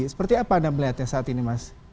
seperti apa anda melihatnya saat ini mas